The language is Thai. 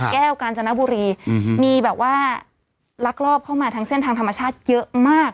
กาญจนบุรีมีแบบว่าลักลอบเข้ามาทางเส้นทางธรรมชาติเยอะมาก